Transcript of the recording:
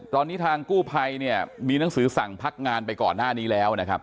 ตอนนี้ทางกู้ภัยเนี่ยมีหนังสือสั่งพักงานไปก่อนหน้านี้แล้วนะครับ